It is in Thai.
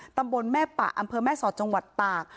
ตำบลแม่ปะอำเภอแม่สอดจังหวัดตาก